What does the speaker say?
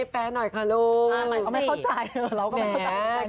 แปลหน่อยค่ะลูก